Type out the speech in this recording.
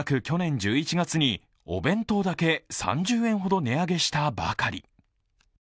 去年１１月にお弁当だけ３０円ほど値上げしたばかり。